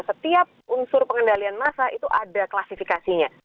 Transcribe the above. setiap unsur pengendalian massa itu ada klasifikasinya